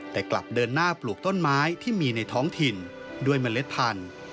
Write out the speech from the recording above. แต่กลับเดินหน้าปลูกต้นไม้ที่มีในท้องถิ่นด้วยเมล็ดพันธุ์